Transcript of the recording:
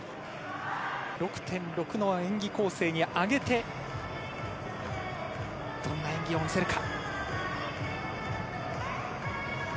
６．６の演技構成に上げて、どんな演技を見せるか？